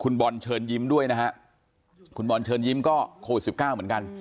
คุณบอลเชิญยิ้มด้วยนะฮะคุณบอลเชิญยิ้มก็โควิด๑๙เหมือนกัน